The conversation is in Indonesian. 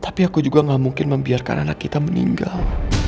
tapi aku juga gak mungkin membiarkan anak kita meninggal